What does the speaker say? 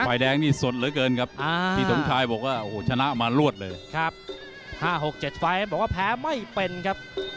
ไฟแดงนี่สดเหลือเกินครับอ่า